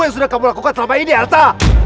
yang sudah kamu lakukan selama ini arta